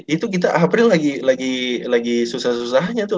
itu kita april lagi susah susahnya tuh